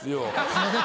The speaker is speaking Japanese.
すいません